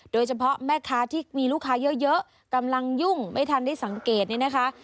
โดยเฉพาะแม่ค้าที่มีลูกค้าเยอะกำลังยุ่งไม่ทันได้สังเกตนี่นะคะ